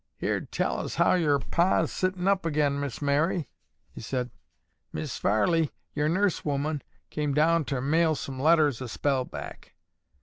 "Heerd tell as how yer pa's sittin' up agin, Miss Mary," he said. "Mis' Farley, yer nurse woman, came down ter mail some letters a spell back."